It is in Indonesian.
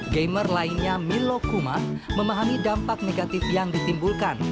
gamer lainnya milo kuma memahami dampak negatif yang ditimbulkan